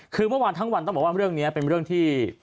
คือเมื่อวานทั้งวันต้องบอกว่าเรื่องนี้เป็นเรื่องที่